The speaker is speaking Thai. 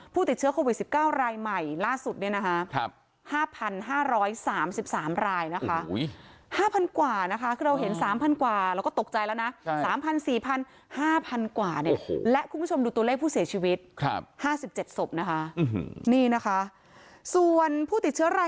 ผู้ติดเชื้อโควิด๑๙รายใหม่ล่าสุด